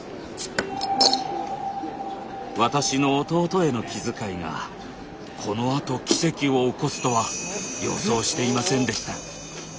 私の弟への気遣いがこのあと奇跡を起こすとは予想していませんでした。